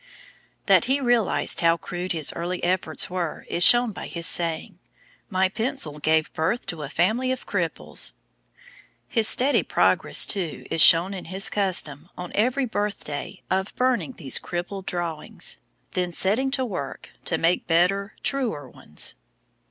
That he realised how crude his early efforts were is shown by his saying: "My pencil gave birth to a family of cripples." His steady progress, too, is shown in his custom, on every birthday, of burning these 'Crippled' drawings, then setting to work to make better, truer ones.